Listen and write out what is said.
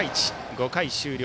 ５回終了